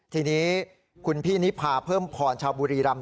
ทีนี้คุณพี่นิพาเพิ่มพรชาวบุรีรำ